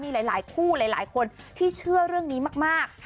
มีหลายคู่หลายคนที่เชื่อเรื่องนี้มาก